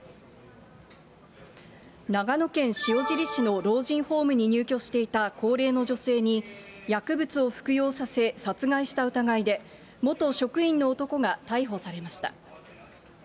長野県塩尻市の老人ホームに入居していた高齢の女性に、薬物を服用させ、殺害した疑いで、元職員の男が逮捕されました。